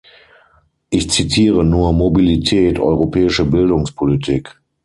Ich zitiere nur Mobilität, europäische Bildungspolitik.